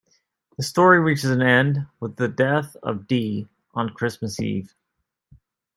The story reaches an end with the death of D on Christmas Eve.